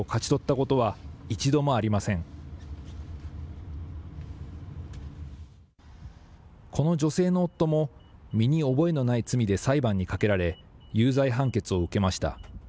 この女性の夫も、身に覚えのない罪で裁判にかけられ、有罪判決を受けました。